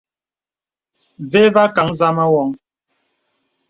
Vè và kàŋə zàmā woŋ.